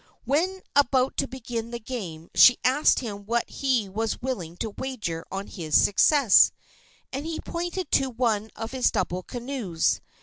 When about to begin the game she asked him what he was willing to wager on his success, and he pointed to one of his double canoes.